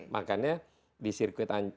makanya di sirkuit